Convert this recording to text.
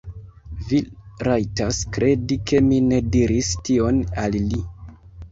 Vi rajtas kredi ke mi ne diris tion al li.